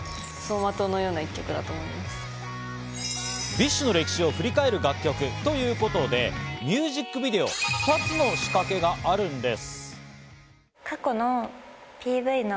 ＢｉＳＨの歴史を振り返る楽曲ということで、ミュージックビデオ、２つの仕掛けがあるんです。